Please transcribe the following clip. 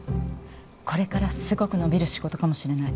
これからすごく伸びる仕事かもしれない。